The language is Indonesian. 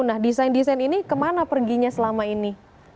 nah desain desain ini kemana perginya selama ini